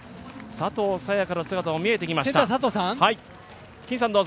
佐藤早也伽の姿も見えてきました。